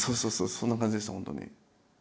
そんな感じでした本当に。